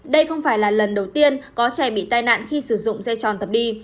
đây không phải là lần đầu tiên có trẻ bị tai nạn khi sử dụng dây tròn tập đi